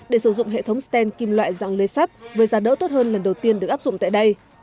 để sử dụng hệ thống stent kim loại dạng lê sắt với giá đỡ tốt hơn lần đầu tiên được áp dụng tại đây